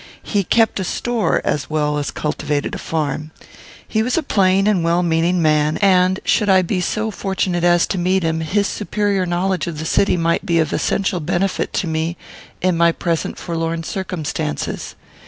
He kept a store as well as cultivated a farm. He was a plain and well meaning man, and, should I be so fortunate as to meet him, his superior knowledge of the city might be of essential benefit to me in my present forlorn circumstances.